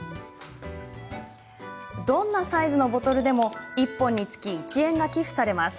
どんなサイズのボトルでも１本につき１円が寄付されます。